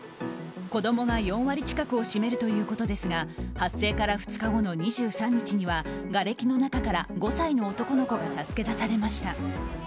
子供が４割近くを占めるということですが発生から２日後の２３日にはがれきの中から５歳の男の子が助け出されました。